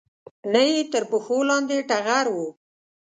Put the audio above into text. نه یې تر پښو لاندې ټغر و